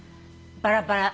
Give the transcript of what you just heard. バラバラ。